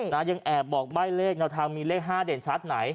ยังแอบบอกใบ้เลขแนวทางมีเลข๕เด่นชัดไหน